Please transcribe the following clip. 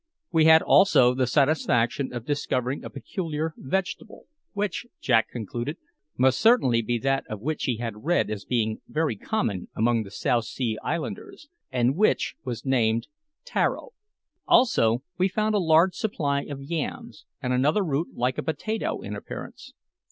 We had also the satisfaction of discovering a peculiar vegetable, which, Jack concluded, must certainly be that of which he had read as being very common among the South Sea Islanders, and which was named taro. Also we found a large supply of yams, and another root like a potato in appearance.